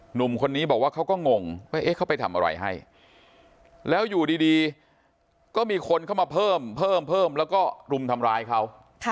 หนุ่มคนนี้บอกว่าเขาก็งงว่าเขาไปทำอะไรให้แล้วอยู่ดีก็มีคนเข้ามาเพิ่มเพิ่มแล้วก็รุมทำร้ายเขา